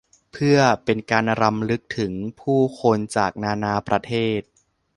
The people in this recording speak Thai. เพื่อเป็นการรำลึกถึงผู้คนจากนานาประเทศ